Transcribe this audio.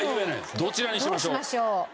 どちらにしましょう？